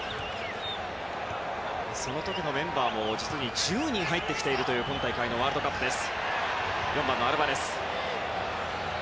その時のメンバーが実に１０人入ってきているという今大会のワールドカップです。